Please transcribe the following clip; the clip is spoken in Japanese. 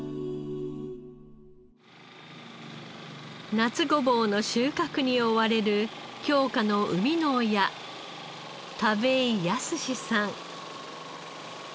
夏ごぼうの収穫に追われる京香の生みの親田部井靖さん。